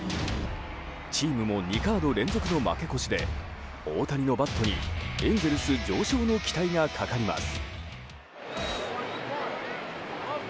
チームも２カード連続の負け越しで大谷のバットにエンゼルス上昇の期待がかかります。